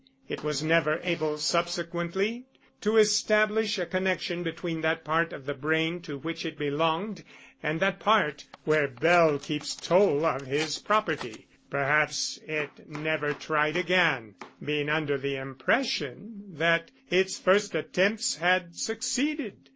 It was never able subsequently to establish a connection between that part of the brain to which it belonged and that part where Bell keeps toll of his property perhaps it never tried again, being under the impression that its first attempts had succeeded.